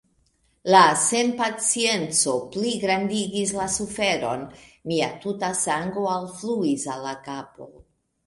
La senpacienco pligrandigis la suferon; mia tuta sango alfluis al la kapo.